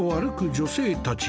女性たち。